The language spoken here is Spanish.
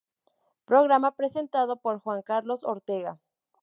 Programa presentado por Juan Carlos Ortega.